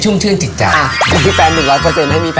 ชั้นชั้นพี่